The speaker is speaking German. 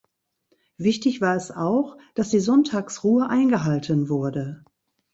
Wichtig war es auch, dass die Sonntagsruhe eingehalten wurde.